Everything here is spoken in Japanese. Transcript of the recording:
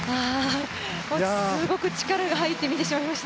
すごく力が入ってみてしまいました。